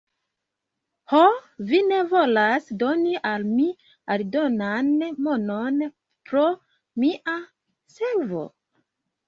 Ho, vi ne volas doni al mi aldonan monon pro mia servo?